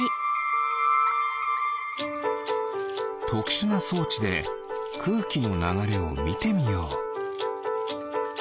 とくしゅなそうちでくうきのながれをみてみよう。